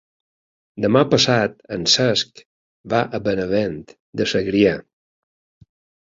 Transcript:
Demà passat en Cesc va a Benavent de Segrià.